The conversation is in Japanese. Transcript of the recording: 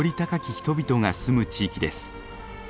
人々が住む地域です。